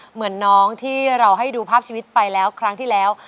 เหมือนน้องที่เราให้ดูภาพชีวิตไปแล้วครั้งที่แล้ว